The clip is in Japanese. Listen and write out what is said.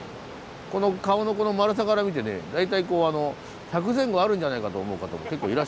この顔の丸さから見てね大体こう１００前後あるんじゃないかと思う方も結構いらっしゃるんですけどそんなことないです。